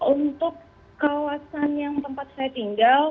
untuk kawasan yang tempat saya tinggal